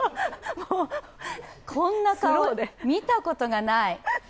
こんな顔で、見たことがない。